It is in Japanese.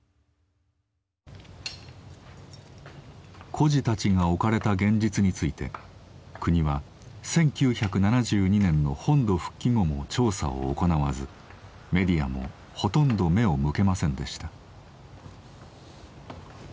孤児たちが置かれた現実について国は１９７２年の本土復帰後も調査を行わずメディアもほとんど目を向けませんでした。